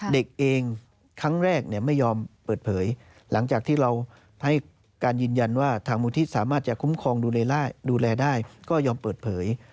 เด็กเองครั้งแรกเนี่ยไม่ยอมเปิดเผยหลังจากที่เราให้การยืนยันว่าทางมูลที่สามารถจะคุ้มครองดูแลได้ก็ยอมเปิดเผย